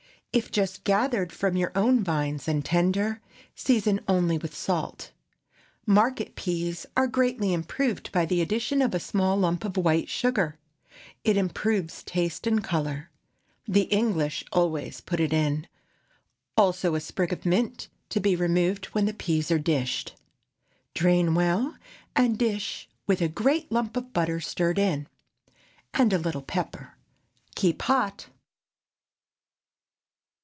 If just gathered from your own vines and tender, season only with salt. Market peas are greatly improved by the addition of a small lump of white sugar. It improves taste and color. The English always put it in, also a sprig of mint, to be removed when the peas are dished. Drain well, and dish, with a great lump of butter stirred in, and a little pepper. Keep hot.